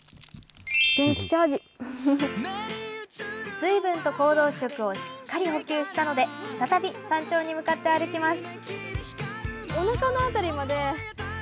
水分と行動食をしっかり補給したので再び山頂に向かって歩きます。